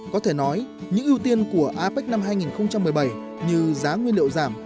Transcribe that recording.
có thể nói những ưu tiên của apec năm hai nghìn một mươi bảy như giá nguyên liệu giảm